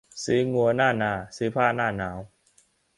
ซื้องัวหน้านา ซื้อผ้าหน้าหนาว